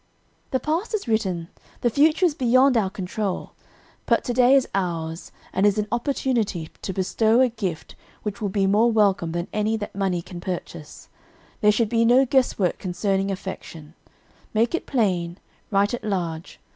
"The past is written, the future is beyond our control, but to day is ours, and is an opportunity to bestow a gift which will be more welcome than any that money can purchase. There should be no guesswork concerning affection; 'make it plain,' 'write it large.'